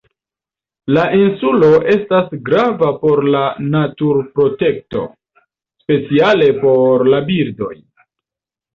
La insulo estas grava por la naturprotekto, speciale por la birdoj.